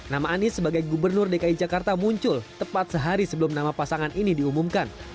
nama anies sebagai gubernur dki jakarta muncul tepat sehari sebelum nama pasangan ini diumumkan